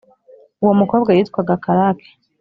uwo mukobwa yitwaga karake